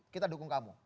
kita dukung kamu